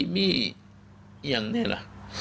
มีอย่างเนี้ยละ